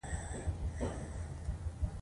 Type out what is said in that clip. انار د افغانستان د ټولنې لپاره یو بنسټيز رول لري.